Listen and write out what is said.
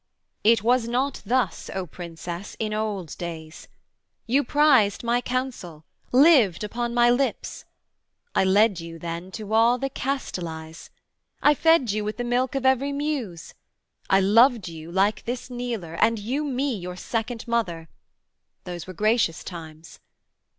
'It was not thus, O Princess, in old days: You prized my counsel, lived upon my lips: I led you then to all the Castalies; I fed you with the milk of every Muse; I loved you like this kneeler, and you me Your second mother: those were gracious times.